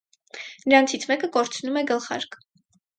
Նրանցից մեկը կորցնում է գլխարկը։